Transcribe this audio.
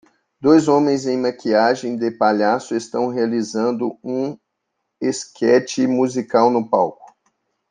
Dois homens em maquiagem de palhaço estão realizando um esquete musical no palco.